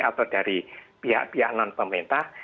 atau dari pihak pihak non pemerintah